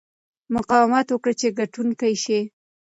مقاومت وکړه چې ګټونکی شې.